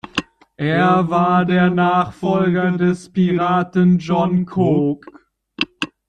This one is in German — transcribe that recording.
Er war der Nachfolger des Piraten John Cook.